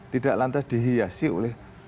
tidak lantas dihiasi oleh